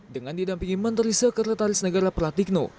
dengan didampingi menteri sekretaris negara pratikno